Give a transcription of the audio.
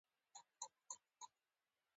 د پيغمبر په تابعدارۍ کي خير او برکت دی